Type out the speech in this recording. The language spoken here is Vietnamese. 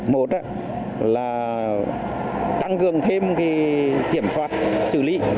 một là tăng cường thêm kiểm soát xử lý